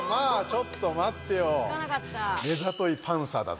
ちょっと待ってよ。